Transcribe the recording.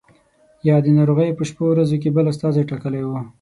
یا د ناروغۍ په شپو ورځو کې بل استازی ټاکلی وو.